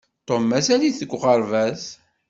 Tom mazal-it deg uɣerbaz.